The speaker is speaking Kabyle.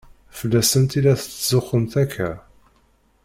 Fell-asent i la tetzuxxumt akka?